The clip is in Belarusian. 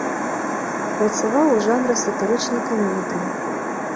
Працаваў у жанры сатырычнай камедыі.